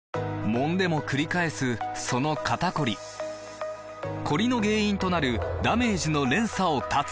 もんでもくり返すその肩こりコリの原因となるダメージの連鎖を断つ！